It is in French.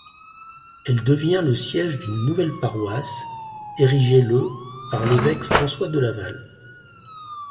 Elle devient le siège d'une nouvelle paroisse, érigée le par l'évêque François de Laval.